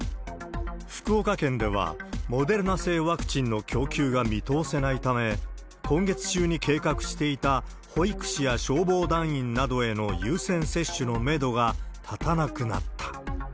福岡県では、モデルナ製ワクチンの供給が見通せないため、今月中に計画していた、保育士や消防団員等への優先接種のメドが立たなくなった。